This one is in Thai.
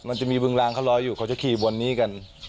มันจะมีบึงรางเขารออยู่เขาจะขี่บนนี้กัน